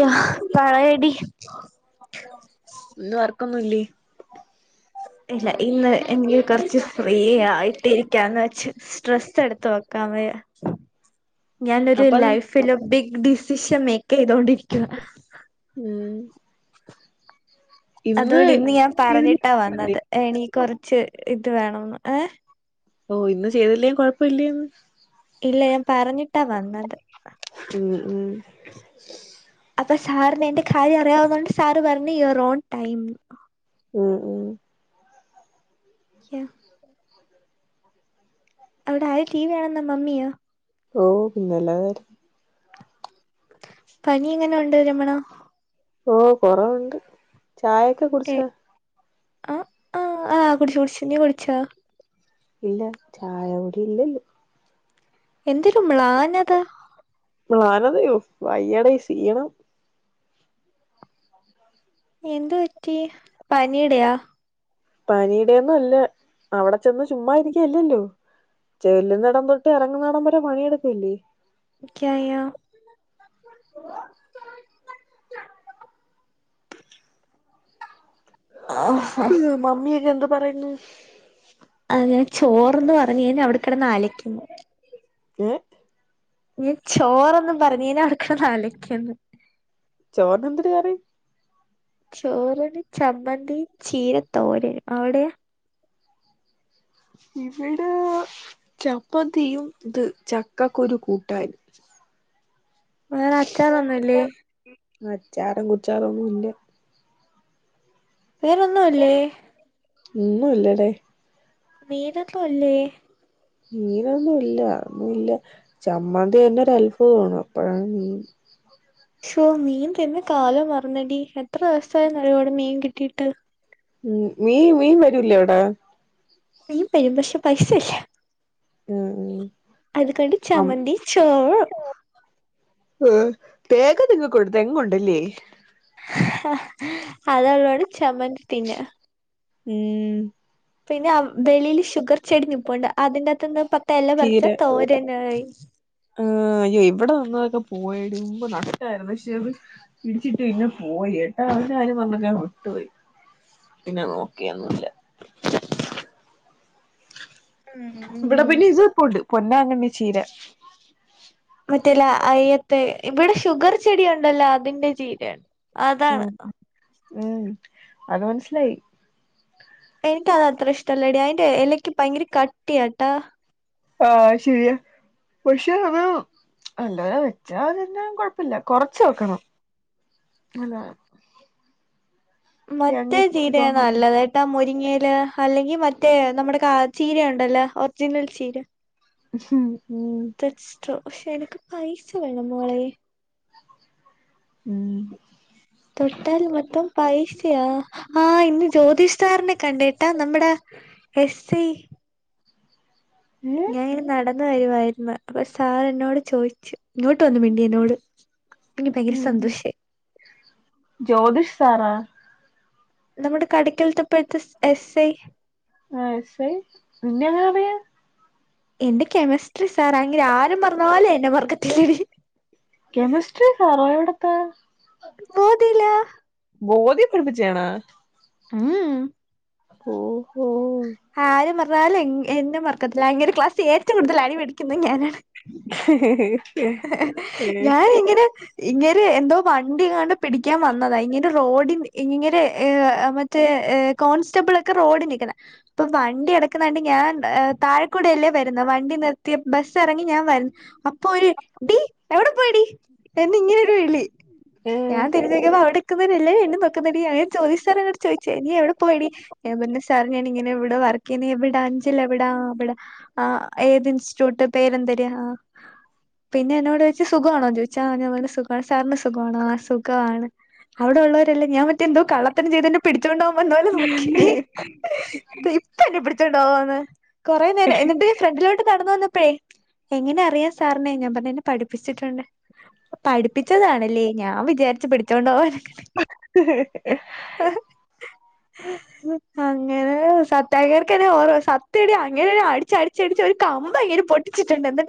യഹ് പറയെടി [inaudible] ഇന്ന് വർക്കൊന്നു ഇല്ലി ഇല്ല ഇന്ന് എൻക് കർച്ച് ഫ്രീയായിട്ടിരിക്കാന്ന് വെച്ച് സ്ട്രെസ്സ്ട്ത്ത് വെക്കാം വയ്യ ഞാനൊരു അപ്പൊ അത് ലൈഫില ബി ദിസ്സിശ്ശെ മേക്കെയ്തോണ്ടിരിക്കുവാ ഉം അതോണ്ട് ഇന്ന് ഞാ ചെയ്തില്ലേ പറഞ്ഞിട്ടാ കുഴപ്പല്ലേ? വന്നത് എണീ കൊറച്ച് ഇത് വേണോന്ന് ഏഹ് ഓ ഇന്ന് ചെയ്തിലേം കൊഴപ്പൊയില്ലേന്ന് [unintelligible] ട്ട വന്നത് ഉം ഉം പ്പ് ശാറിനെ എന്റെ ഖായ് അറിയാവുന്നോണ്ട് സാറ് പറന്ന് ഇയർ ഓൺ കയിഞ്ഞു ഉം ഉം ക്യാ അവിടെ ആര് ടീവി കാണു [inaudible] ഓഹ് പിന്നല്ലതെ പനി എങ്ങനൊ ദേ ചിമ്മണോ ഓഹ് കൊറവൊണ്ട് ചായക്കെ കുടിച്ചോ അഹ് ആ ആഹ് കുടിച് കുടിച് നീ കുടിച്ചോ ഇല്ല ചായ കുടിയില്ലന്ന് എന്തൊരു മ്ലാനത വാനറിയൂ വയ്യടീ ഷീണം ഏന്തുറ്റി പനീടെയാ പനീടെയൊന്നുല്ല അവടെ ചെന്ന് ശുമ്മാ ഇരിക്ക അല്ലല്ലോ ചെല്ല്ന്നടം തൊട്ട് എറങ്ന്നടം വരെ പണിയെട്ക്കല്ലേ ക്കയാം [inaudible] ഉം മമ്മിയക്കെ എന്ത് പറയുന്നു അ ഞാ ചോറ്ന്ന് പറഞ്ഞേന് അവിടെ കെടന്ന് അലക്കുന്നു ഏഹ് ഈ ചോറൊന്നും പറഞ്ഞീല [unintelligible] ചോറിനെന്തിര് കറി? ചോറ്ന് ചമ്മന്തിം ‌ ചീര തോരനും അവിടെയാ? ഇവിടെ ചമ്മന്തിയും ഇത് ചക്കക്കുരു കൂട്ടാനും. വേറെ അച്ചാറൊന്നുല്ലെ? അച്ചാറും കുച്ചാറൊന്നും ഇല്ല വേറെഒന്നൂല്ലെ? ഇന്നൂല്ലെടെ. മീനൊന്നൂല്ലെ? മീനൊന്നൂല്ല ഇല്ല ചമ്മന്തിയെന്നെ ഒരാല് പെയൊള്ള് അപ്പേയ മീന് ശൊ മീൻ തിന്ന് കാലം മറന്നെടി എത്ര ദിവസയെന്നറിയോ ഇവിടെ മീൻ കിട്ടിയിട്ട്, ഉം മീൻ മീൻ വരൂലെ അവ്ടെ? മീൻ വരും പക്ഷെപൈസ ഇല്ല. ഉം ഉം അത്കൊണ്ട് അം ചമ്മന്തി, ചോറ് തേങ്ങ നിങ്ങക്കുണ്ട് തേങ്ങുണ്ടെല്ലെ? ഹ അത് കൊണ് ചമ്മന്തി തിന്ന് മ് പിന്നെ അവ് വെളിയിൽ ഷുഗർ ചെടി നിപ്പുണ്ട് അതിന്റത്ത്ന്ന് പ എല ചീര പറച്ച് തോരനായി [inaudible] ആ എ ഇവിടെ നിന്നെതൊക്കെ പോയെടി മുമ്പ് നട്ടെര്ന്നു പഷെ അത് [unintelligible] പോയി യേട്ടാ ഒരു കാര്യം പറഞ്ഞരാ വിട്ടൊയി പിന്നെ നോക്കിയെന്നുല്ല. ഇവിട പി [unintelligible] ഇതാണ്ന്റെ ചീര മറ്റെ ലാ അയിയത്തെ ഇബടെ ഷുഗർ ചെടി ഇണ്ടല്ലോ അതിന്റെ ചീരെയാണ്. അതാണ് മ് അത് മൻസ്സിലായി. എനിക്ക് അത് അത്ര ഇഷ്ട്ടെല്ലെടി അയിന്റെ എലക്ക് ഭയങ്കര കട്ടിയാട്ടാ ആ ശരിയാ പക്ഷെ, അത് അല്ലാതെ വെച്ചാല് പിന്നെ കൊഴ ല്ല കൊറച്ച് വെക്കണം. [unintelligible] മറ്റെ തേങ്ങക്കെ ചീരയാ തോനെ നല്ലത് അയ്ത ആ മുരിങ്ങെ ല ഹല്ലെങ്കിൽ മറ്റെ നമ്മടെ കാ ചീര യുണ്ടല്ലോ ഒർജിനൽ ചീര മ് [unintelligible] ഷെ എനിക്ക് പൈസ വേണം മോളെ മ് തൊട്ടാൽ മൊത്തം പൈസയാ.... ആ ഇന്ന് ജ്യോതിഷ് സാർനെ കണ്ട്ട്ട നമ്മ്ടെ എസ് സി ഏ ഞാൻ ങ്ങനെ നടന്നു വരുവായി [unintelligible] ക്ഷേ അവ എന്നോട് ചോദിച്ചു ഇങ്ങോട്ട് വന്നു മിണ്ടി എന്നോട് എനിക്ക് ഭയങ്കര ഉം സന്തോഷായി ജ്യോതിഷ് സാറോ നമ്മുടെ കടയ്ക്കൽതേ ഇപ്പോഴത്തെ എസ് ആയ് [unintelligible] ഐ നിന്നെ എങ്ങനെ അറിയാം എൻ്റെ കെമിസ്ട്രി സാറ അങ്ങേര് ആരെ മറന്നാലും എന്നെ മറക്കത്തിലേടി കെമിസ്ട്രി [unintelligible] ബോധയില്ല ബോധ്യപ്പെടുത്തി ചെയ്യണോ ആ ഓ ആദ്യം പ റഞ്ഞാൽ [unintelligible] ക്ലാസ്സിൽ ഏറ്റവും കൂടുതൽ അടി മേടിക്കുന്നത് ഞാനാണ് ഏഹ് ഞാൻ ഇങ്ങനെ ഇങ്ങേര് എന്തോ വണ്ടി എങ്ങാണ്ട് പിടിക്കാൻ വന്നതാ ഇങ്ങേര് റോഡിൽ ഇങ്ങേര് മറ്റേ കോൺസ്റ്റബിൾ ഒക്കെ റോഡിൽ നിക്കണ് അപ്പോ വണ്ടി കിടക്കണ കണ്ട് ഞാൻ താഴെക്കൂടെ അല്ലേ വരുന്നത് വണ്ടി നിർത്തി ബസ് ഇറങ്ങി ഞാൻ വന്നു അപ്പോ ഒരു ടി എവടെ പ്പോയെടി എന്നിങ്ങനെ ഒരു വിളി ഏഹ് ഞാൻ തിരിഞ്ഞ് നോക്കിയപ്പോ [unintelligible] [unintelligible] സാർ എന്നോട് ചോദിച്ചേ നീ എവിടെ പോയെടി ഞാൻ പറഞ്ഞു സാർ ഇങ്ങനെ ഞാൻ ഇവിടെ വർക്ക്‌ ചെയ്യുന്നതാ എവിടാ അഞ്ചൽ എവിടാ എവിടാ ഏത് ഇൻസ്റ്റിറ്റ്യൂട്ട് പേര് എന്തര് ആ പിന്നെ എന്നോട് ചോദിച്ചു സുഖമാണോന്ന് ചോദിച്ചു ആ ഞാൻ പറഞ്ഞു സുഖമാണെന്ന് സാറിന് സുഖമാണോ ആ സുഖവാണ് അവിടെ ഉള്ളവരെല്ലാം ഞാൻ എന്തോ കള്ളത്തരം ചെയ്തു എന്നെ പിടിച്ചോണ്ട് പോകാൻ വന്നതാണെന്നുമൊക്കെ ഇതേ ഇപ്പോ എന്നെ പിടിച്ചോണ്ട് ണ്ടോന്ന് കൊറേ നേരം എന്നിട്ട് ഫ്രണ്ട് ലോട്ട് നടന്നിട്ട് [unintelligible] എങ്ങനെ അറിയാ സാറിനെ പർ ന്നെ പഠിപ്പിച്ചിട്ടുണ്ട് പഠിപ്പിച്ചതാണല്ലേ ഞാൻ വിചാരിച്ച് പിടിച്ചോണ്ട് വന്ന അങ്ങനെ സത്തായർക്ക് എന്നെ ഓർമ സത്യടി അങ്ങനൊരു അടിച്ച അടിച് ഒര് [unintelligible] പൊട്ടിച്ച്ട്ട്ണ്ട്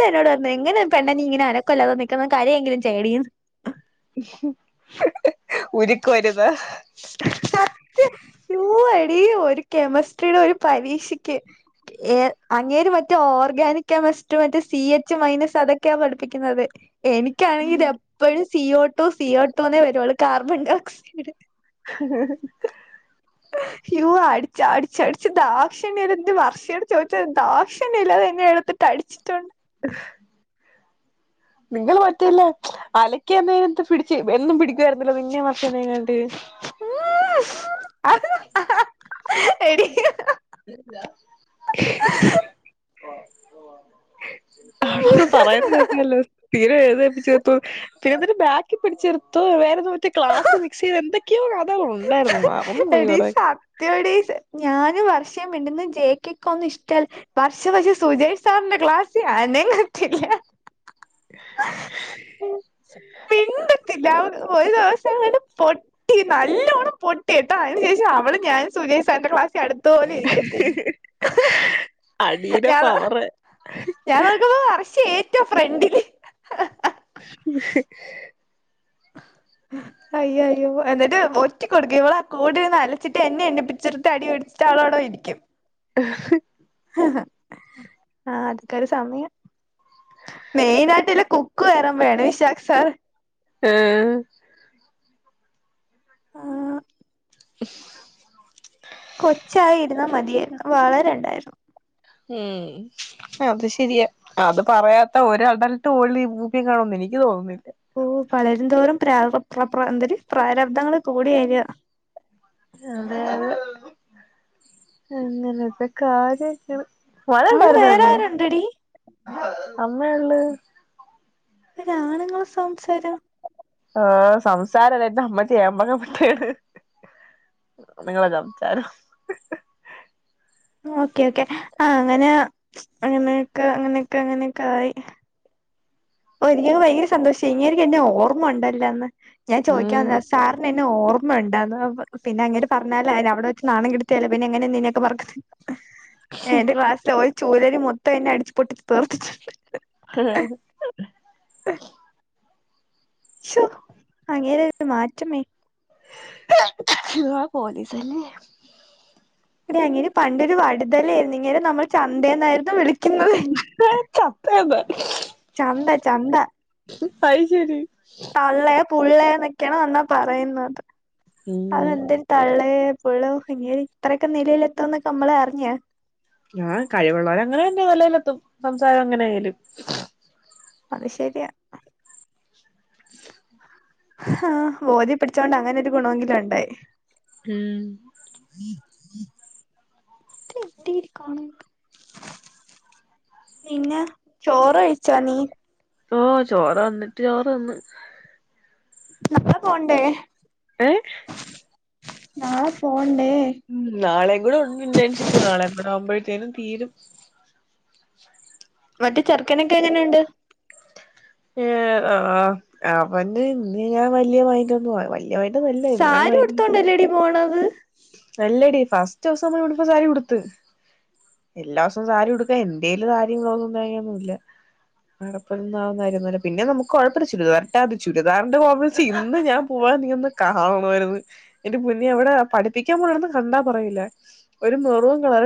[unintelligible] പെണ്ണെ നി അനക്കം നിക്ക്ന്നെ കരയെങ്കിലും ചെയ്യടി ന്ന് ഉരുക്കം അർന്ന് സത്യം ഓ എടി ഒര് കെമിസ്ട്രിടെ ഒര് പരീക്ഷക്ക് എ അങ്ങേര് മറ്റേ ഓർഗാനിക് കെമിസ് സി എച് മൈനസ് അതെക്കെയാ പഠിപ്പിക്ക്ന്നത് എനിക്ക് ആണെങ്കി C O two C O two ന്നെ വേരുള്ളൂ കാർബൻ ഡിയോക്സൈഡ് യ്യു അടിച് അടിച് അടിച്ചു ധാക്ഷണി ഒര് ഇത് വർഷയോട് ചോതിച് ധാക്ഷണി ല്ലാതെ എന്നെ എടുത്തു അടിച്ചിട്ടു നിങ്ങള് മറ്റേ ല്ലേ അലക്കി യന്നെന്ന് പിടിച്ച് എന്നും പിടിക്കു വാർന്നല്ലോ നിന്നേം വർഷേനേം [unintelligible] [inaudible] എടീ [unintelligible] [inaudible] [unintelligible] തോ വേറെ തോറ്റ് ക്ലാസ് മിക്സ് എയ്ത് എന്തെക്കെ എടീ സത്യാ ടീ ഞാൻ പക്ഷേ മിണ്ടുന്നേ ജേ ക്കി ക്കൊന്നും ഇഷ്ടല്ല പക്ഷേ സുജേ സാറിന്റെ ക്ലാസിൽ അനങ്ങത്തില്ല [unintelligible] ഒര് ദിവസം കൊണ്ട് പൊട്ടി നാറ്റി നല്ലോണ്ണം പൊട്ടിട്ടോ അയിന് ശേഷം അവളും ഞാനും സുരേ സാ റിന്റെ ക്ലാ സിൽ അ ടുത്ത് പോലും ഇരികത്തില്ല അടീടെ പവറ് [unintelligible] ന്റെ ഫ്രണ്ടിൽ [inaudible] [unintelligible] അയ്യയോ എന്നിട്ട ഒറ്റി കെടുക് ഇവളാക്കൂടെ അറീച്ചിട്ട് എന്നെ എണീപ്പിച്ച് ട്ട് അവൾ വി ടെരിക്കും [unintelligible] [inaudible] അതെക്കെരു സമയം [unintelligible] [unintelligible] ആ [inaudible] [unintelligible] കൊച്ചായിരുന്നാ മതിയായിരുന്നു വളരണ്ടായിരുന്നു മ് അതു ശരിയാ അത് പറയാത്ത ഒരാൾ ഒരറ്റ ളും ഭൂമി കാണും എനിക്ക് തോന്നുന്നില്ല ഓ വളരുംതോറും പ്ര എന്തെ രു പ്രരാപ്തം ങ്ങൾ കൂടി വരാ അതെ തെ അങ്ങനത്തെ കാര്യങ്ങൾ മഴ അവിടെ ണ്ടായിരുന്നേ വേറെ ഇന്ന് ആരുണ്ടെടി അമ്മ ണ്ട് ഒര് ആണ്ങ്ങളെ സാണ്ട് സ്പോലെ ആ സംസാര ലേ അമ്മച്ചിയാ [unintelligible] പെണ്ണ്ങ്ങള ചർച്ച ഓകെ ഓകെ അങ്ങനെ അങ്ങനെ ക്കെ അങ്ങനെക്കെ ങ്ങനെ കെആയി ഒര് ങ്ങപ്പം ഭയക്കര സന്തേ ഷേ നിഇങ്ങേർക്ക് എന്നെ ഓർമ ണ്ടല്ലന്ന് ഞാൻ ഉം ചോയിക്കാനിന്നാ സാറിന് എന്നെ ഓ മണ്ടായിന്നേന്ന് പിന്നെ അങ്ങേര് പറഞ്ഞാലൊ അവടെ വെച്ച് നാണം കെടുത്തിയാലേ പിന്നെ എങ്ങനെ നിന്നെ ട്ട് പ [unintelligible] ചൂരല് മൊത്തം ന്നെ അടിച്ച് പൊട്ടിച്ച് തീർത്തിട്ടുണ്ട് ഹാ ശോ അങ്ങേരെക്കെ മാറ്റമേ [unintelligible] [inaudible] ങ്ങേരെ അനിയൻ പണ്ടെ രു വടു തലേന്നു ഇങ്ങേരെ നമ്മൾ ചന്തെന്നായിരുന്നു വിളിക്കാ ക്കുന്നത് [unintelligible] [unintelligible] അയ്ശരി തള്ളേം പുള്ളേന്നൊക്കെയാണ് പറയ്ന്നത് അത് ഉം എന്തര് തള്ളേ പുള്ളോ അയ്യേ ഇത്രയൊക്കെ നിലയിലെത്തുമെന്നൊക്കെ നമ്മളറിഞ്ഞ്. ഞാൻ കഴിവുള്ളോല് അങ്ങനെ തന്നെ നെലയിലെത്തും. സംസാരം എങ്ങനെ ആയാലും അത് ശരിയാ ഹാ ഓതിപ്പഠിച്ചോണ്ട് അങ്ങനൊരു ഗുണമെങ്കിലും ഉണ്ടായി. ഊം പിന്നെ ചോറ് കഴിച്ചോ നീ ഓഹ് ചോറ് വന്നിട്ട് ചോറ് തിന്ന്. നാളെ പോണ്ടേ? ഏഹ്? നാളെ പോൺ ഊം നാളെയും കൂടണ്ട് ഇൻ്റേൺഷിപ്പ് കാണാൻ ഇവടാവുമ്പഴ് ത്തേനും തീരും മറ്റെ ചെറുക്കനെക്കെ എങ്ങനെയുണ്ട്? ഏഹ് അ ആ അവന് ഇന്ന് ഞാൻ വല്യ മൈൻഡൊന്നും വല്യ സാരി മൈ [unintelligible] ഉടുത്തോണ്ടല്ലേടി പോണത് അല്ലെടി ഫസ്റ്റൂസം ഇവട്ത്ത സാരി ഉടുത്ത്. എല്ലാ സോം സാരിയുടുക്കാൻ എൻ്റേല് സാരിയും കോതും തേങ്ങയൊന്നും ഇല്ല. അടെപ്പോയി [unintelligible] [unintelligible] പിന്നെ നമുക്ക് കൊഴപ്പല്ല ചുരിദാർ ഇട്ടാ മതി. ചുരിദാറിന്റെ കോമസി ഇന്ന് ഞാൻ പോയെ നീയൊന്ന് കാണണമായിര്ന്ന്. എൻ്റെ പൊന്നേ അവിടെ പഠിപ്പിക്കാൻ പോണേണ് ന്ന് കണ്ടാ പറയില്ല. ഒരു മെറൂൺ കള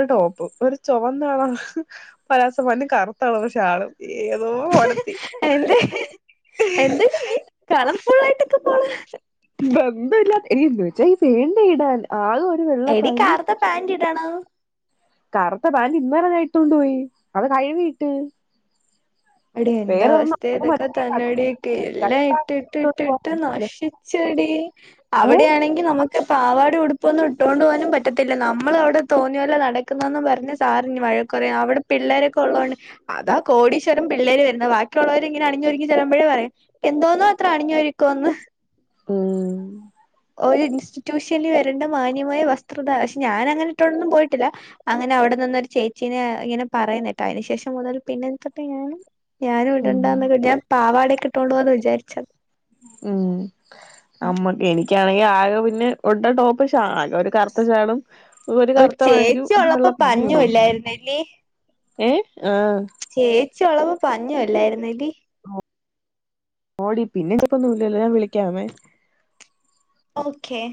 ഏതൊ ഒലത്തി എന്ത്? എന്തെടീ നീ കളം [unintelligible] ബന്ധമില്ലാത്ത എടി [unintelligible] വെള്ള എടീ പാന്റും കറുത്ത പാന്റ് ഇടണം കറുത്ത പാന്റ് ഇന്നലെ ഞാൻ ഇട്ടോണ്ട് പോയി അത് കഴുകിയിട്ടു എടി എന്റെ അവസ്ഥയും ഇതൊക്കെ തന്നെയെടി എല്ലാം കട്ടാക്കിട്ട് ഇട്ടിട്ടിട്ടിട്ട് പറ്റില്ല നശിച്ചെടി ഏ അവിടെയാണെങ്കിൽ നമു ക്ക്‌ പാവാടയും ഉടുപ്പും ഒന്നും ഇട്ടോണ്ട് പോകാനും പറ്റത്തില്ല നമ്മൾ അവിടെ തോന്നിയപോലെ നട ക്കുന്നൂന്ന് പറഞ്ഞ് സാർ ഇനിയും വഴക്ക് പറയും അവിടു പിള്ളാരൊക്കെ ഉള്ളകൊണ്ട് അതാ കോടീ ശ്വരൻ പിള്ളാര് വരുന്നേ ബാക്കിയുള്ളവരെ ഇങ്ങനെ അണിഞ്ഞൊരുങ്ങി ചെല്ലുമ്പോളെ പറയും എന്തോന്നാ ഇത്ര അണിഞ്ഞൊരുക്കോന്ന് ഉം ഒരു ഇൻ സ്റ്റിറ്റ്യൂഷനിൽ വരണ്ട മാന്യമായ വ സ്ത്രം പക്ഷേ ഞാനങ്ങനെ ഇട്ടോണ്ടൊന്നും പോയിട്ടില്ല അങ്ങനെ അവിടെ നിന്ന ഒരു ചേച്ചീനെ ഇങ്ങനെ പറയുന്ന കേട്ടു അതിനുശേഷം മുതൽ പിന്നെ തൊട്ട് ഞാനും ഞാനും ഉം ഇടണ്ടാന്ന് കരുതി ഞാൻ പാവാട ഇട്ടോണ്ട് പോവാന്നാ വിചാരിച്ചത് മം എനിക [unintelligible] ഒരു കറുത്ത ശാളും ഒരു ചേച്ചി ഉള്ളപ്പോ പാന്റും ഒരു വെള്ള ഷാളും പഞ്ഞമില്ലായിരുന്നല്ലേ ഏ ആ ചിയൊള്ളപ്പാ പഞ്ഞമില്ലായിരുന്നല്ലേ [unintelligible] ഞാൻ വിളിക്കാമേ ഓക്കേ